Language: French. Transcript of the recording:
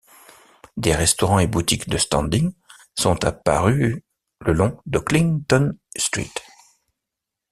Des restaurants et boutiques de standing sont apparues le long de Clinton Street.